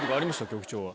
局長は。